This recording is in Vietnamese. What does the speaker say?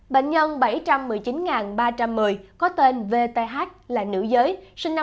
bệnh nhân bảy trăm một mươi chín ba trăm một mươi có tên vth là nữ giới sinh năm hai nghìn một mươi ba